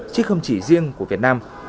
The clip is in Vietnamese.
chứ không chỉ riêng của việt nam